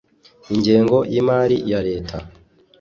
Ingengo y'imari ya leta